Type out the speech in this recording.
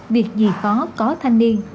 việc gì khó có thanh niên